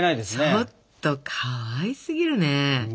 ちょっとかわいすぎるね。